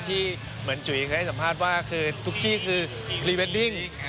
ที่เหมือนจุ๋ยเคยให้สัมภาษณ์ว่าคือทุกที่คือพรีเวดดิ้ง